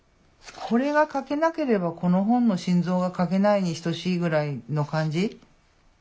これが描けなければこの本の心臓が描けないに等しいぐらいの感じ。